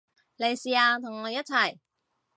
你試下同我一齊